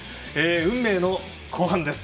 運命の後半です。